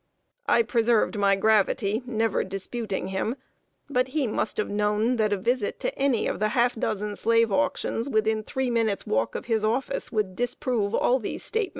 I preserved my gravity, never disputing him; but he must have known that a visit to any of the half dozen slave auctions, within three minutes' walk of his office, would disprove all these statements.